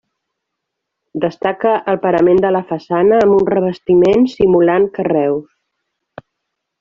Destaca el parament de la façana, amb un revestiment simulant carreus.